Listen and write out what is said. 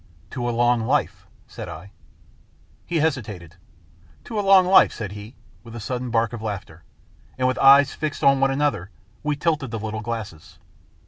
" To a long life," said I. He hesitated. " To a long life," said he, with a sudden bark of laughter, and with eyes fixed on one another we tilted the little glasses.